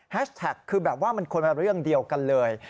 แฮชแทคคือแบบว่ามันควรเป็นเรื่องเดียวกันเลย